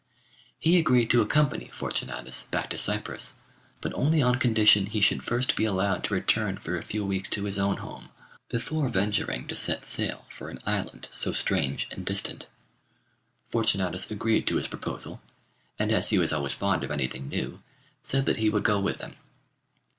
He agreed to accompany Fortunatus back to Cyprus, but only on condition he should first be allowed to return for a few weeks to his own home before venturing to set sail for an island so strange and distant. Fortunatus agreed to his proposal, and as he was always fond of anything new, said that he would go with him.